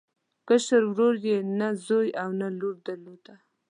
کشر ورور یې نه زوی او نه لور درلوده.